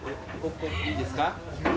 いいですか？